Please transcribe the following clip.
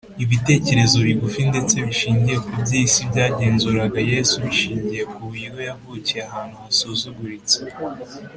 Ibitekerezo bigufi ndetse bishingiye ku by’isi byagenzuraga Yesu bishingiye ku buryo yavukiye ahantu hasuzuguritse